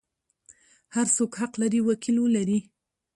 هر څوک حق لري وکیل ولري.